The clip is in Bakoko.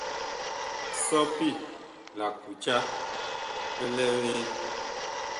Sɔpi la kuca bi lɛ vee ?